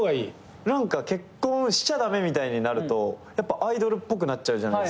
何か結婚しちゃ駄目みたいになるとやっぱアイドルっぽくなっちゃうじゃないですか。